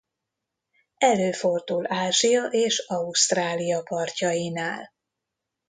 Előfordul Ázsia és Ausztrália partjainál.